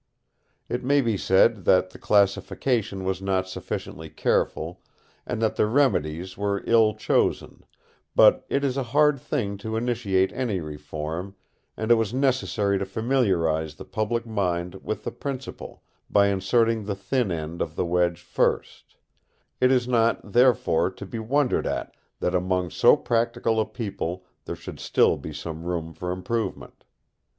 It may be said that the classification was not sufficiently careful, and that the remedies were ill chosen; but it is a hard thing to initiate any reform, and it was necessary to familiarise the public mind with the principle, by inserting the thin end of the wedge first: it is not, therefore, to be wondered at that among so practical a people there should still be some room for improvement.